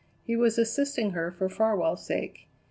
He was assisting her for Farwell's sake.